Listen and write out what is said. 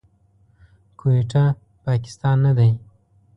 کويټه، پاکستان نه دی.